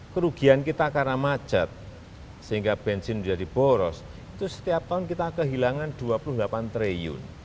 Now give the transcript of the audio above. kerugian kita karena macet sehingga bensin menjadi boros itu setiap tahun kita kehilangan dua puluh delapan triliun